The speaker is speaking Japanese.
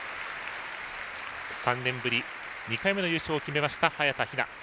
３年ぶり２回目の優勝を決めました、早田ひな。